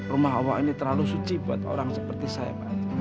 rumah allah ini terlalu suci buat orang seperti saya pak